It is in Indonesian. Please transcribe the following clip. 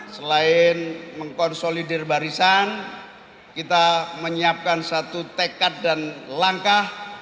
selain mengkonsolidir barisan kita menyiapkan satu tekad dan langkah